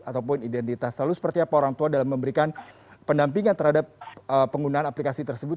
ataupun identitas lalu seperti apa orang tua dalam memberikan pendampingan terhadap penggunaan aplikasi tersebut